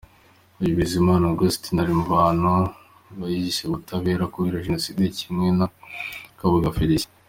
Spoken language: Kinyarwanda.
Uyu Bizimana Augustin ari mu bantu bacyihisha ubutabera kubera Jenoside, kimwe na Kabuga Félicien.